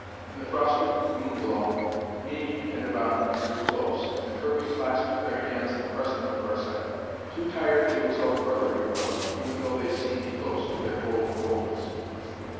In the frosted moon glow, Nini and Ivana drew close, and Kirby clasped their hands and pressed them for a second. Too tired to exult further he was, even though they seemed close to their goal of goals.